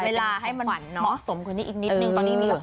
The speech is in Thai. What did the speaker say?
ขอเวลาให้มันเหมาะสมกันอีกนิดนึง